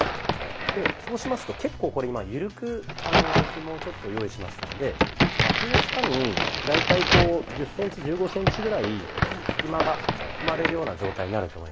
でそうしますと結構これ今ゆるくひもを用意しましたので脇の下に大体１０センチ１５センチぐらい隙間が生まれるような状態になると思います。